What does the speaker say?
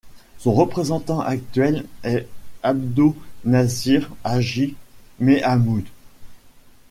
Son représentant actuel est Abdo Nasir Haji Mehamud.